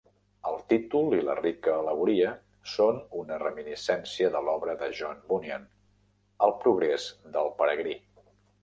El títol i la rica al·legoria són una reminiscència de l'obra de John Bunyan, "El progrés del peregrí".